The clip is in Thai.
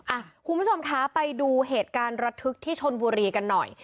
อ่ะคุณผู้ชมคะไปดูเหตุการณ์ระทึกที่ชนบุรีกันหน่อย